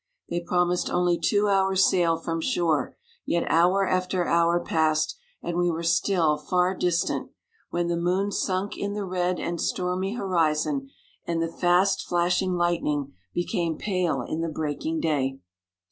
They promised only two hours* sail from shore, yet hour after hour passed, and we were still far distant, when the moon sunk in the red and stormy ho rizon, and the fast flashing lightning became pale in the breaking day.